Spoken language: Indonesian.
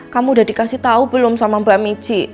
kamu udah dikasih tau belum sama mbak miji